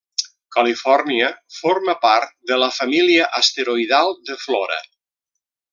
Califòrnia forma part de la família asteroidal de Flora.